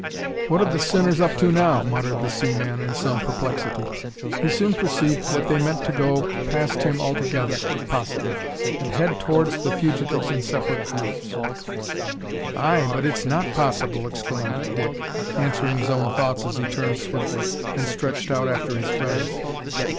"What are the sinners up to now?" muttered the seaman in some perplexity. He soon perceived that they meant to go past him altogether, if possible, and head towards the fugitives in separate groups. "Ay, but it's not possible!" exclaimed Dick, answering his own thoughts as he turned swiftly, and stretched out after his friends.